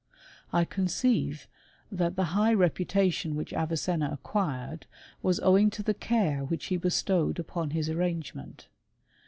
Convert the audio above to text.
I conceive that the high reputation which Avicenna acquired, was owing to the care which he bestowed upon his arrange ment.